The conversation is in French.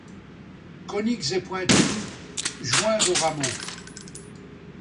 Coniques et pointus, joints au rameau.